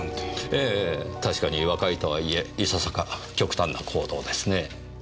ええ確かに若いとはいえいささか極端な行動ですねぇ。